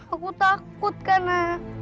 aku takut karena